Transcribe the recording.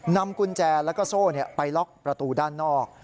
นำกุญแจแล้วก็โซ่ไปล็อกประตูด้านนอก